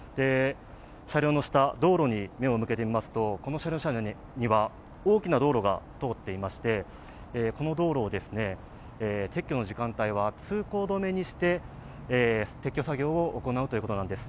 車両の下、道路に目を向けてみますと、この車両の下には大きな道路が通っていましてこの道路を、撤去の時間帯は通行止めにして撤去作業を行うということです。